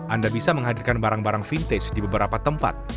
anda bisa menghadirkan barang barang vintage di beberapa tempat